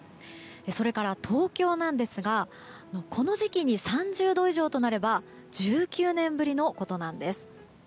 それから東京なんですがこの時期に３０度以上となれば１９年ぶりのことなんです。